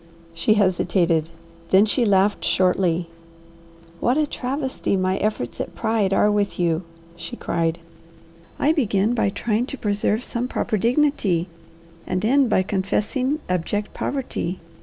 She hesitated. Then she laughed shortly. "What a travesty my efforts at pride are with you!" she cried. "I begin by trying to preserve some proper dignity, and end by confessing abject poverty.